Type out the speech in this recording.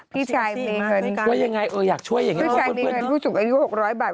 พี่ชายเมตต์เงินพื้นมาเกิดยังไงพี่ชายเมตต์เงินพูดถูกอายุ๖๐๐บาท